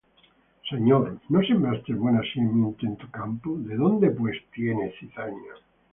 Señor, ¿no sembraste buena simiente en tu campo? ¿de dónde, pues, tiene cizaña?